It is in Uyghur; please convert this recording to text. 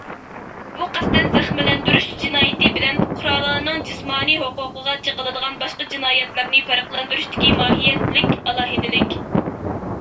بۇ قەستەن زەخىملەندۈرۈش جىنايىتى بىلەن پۇقرالارنىڭ جىسمانىي ھوقۇقىغا چېقىلىدىغان باشقا جىنايەتلەرنى پەرقلەندۈرۈشتىكى ماھىيەتلىك ئالاھىدىلىك.